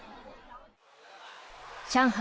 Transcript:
上海